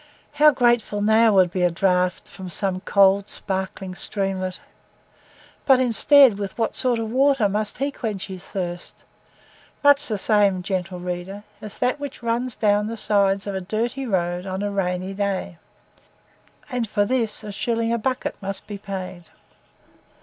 How grateful now would be a draught from some cold sparkling streamlet; but, instead, with what sort of water must he quench his thirst? Much the same, gentle reader, as that which runs down the sides of a dirty road on a rainy day, and for this a shilling a bucket must be paid.